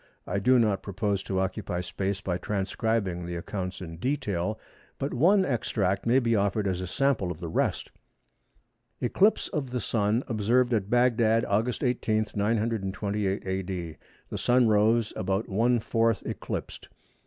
I do not propose to occupy space by transcribing the accounts in detail, but one extract may be offered as a sample of the rest—"Eclipse of the Sun observed at Bagdad, August 18, 928 A.D. The Sun rose about one fourth eclipsed.